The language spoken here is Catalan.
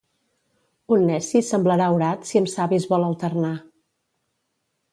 Un neci semblarà orat si amb savis vol alternar.